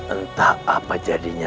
entah apa jadinya